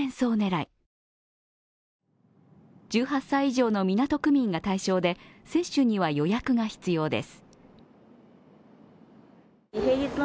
１８歳以上の港区民が対象で接種には予約が必要です。